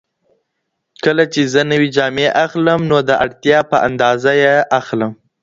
کله چې زه نوې جامې اخلم نو د اړتیا په اندازه یې اخلم.